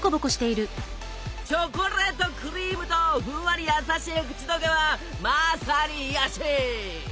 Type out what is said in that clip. チョコレートクリームとふんわり優しい口どけはまさに癒やし！